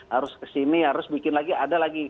harus ke sini harus bikin lagi ada lagi